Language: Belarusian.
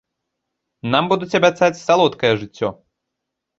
Нам будуць абяцаць салодкае жыццё.